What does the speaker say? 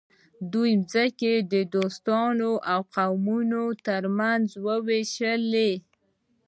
دوی ځمکې د دوستانو او قومونو ترمنځ وویشلې.